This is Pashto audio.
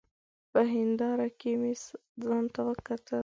په هېنداره کي مي ځانته وکتل !